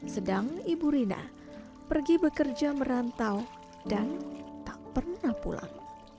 sedang ibu rina pergi bekerja merantau dan tak pernah pulang